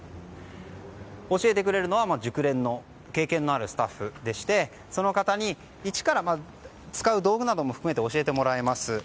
教えてくれるのは熟練の経験のあるスタッフでしてその方に一から使う道具なども含めて教えてもらえます。